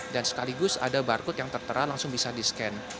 dan sekaligus ada barcode yang tertera langsung bisa di scan